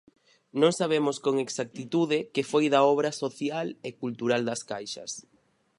Non sabemos con exactitude que foi da Obra social e cultural das caixas.